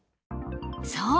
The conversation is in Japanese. そう。